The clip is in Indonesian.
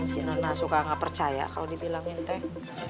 si nona suka gak percaya kalo dibilangin teh